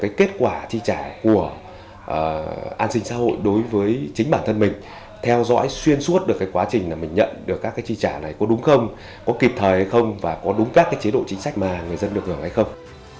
cái kết quả chi trả của an sinh xã hội đối với chính bản thân mình theo dõi xuyên suốt được cái quá trình là mình nhận được các cái chi trả này có đúng không có kịp thời hay không và có đúng các cái chế độ chính sách mà người dân được hưởng hay không